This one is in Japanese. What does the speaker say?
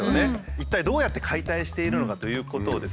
一体どうやって解体しているのかということをですね